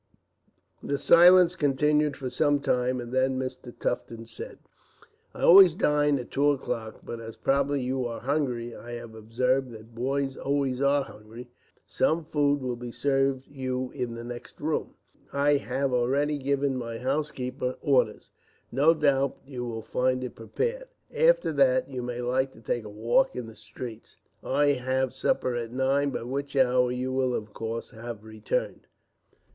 The silence continued for some little time, and then Mr. Tufton said: "I always dine at two o'clock; but as probably you are hungry I have observed that boys always are hungry some food will be served you in the next room. I had already given my housekeeper orders. No doubt you will find it prepared. After that, you may like to take a walk in the streets. I have supper at nine, by which hour you will, of course, have returned."